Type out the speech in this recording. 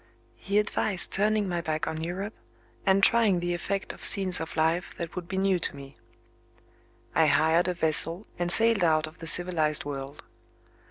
He advised turning my back on Europe, and trying the effect of scenes of life that would be new to me. I hired a vessel, and sailed out of the civilized world.